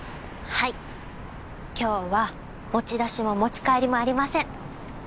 はい今日は持ち出しも持ち帰りもありません。